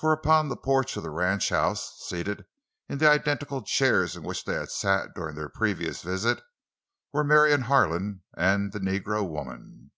For upon the porch of the ranchhouse—seated in the identical chairs in which they had sat during their previous visit, were Marion Harlan and the negro woman!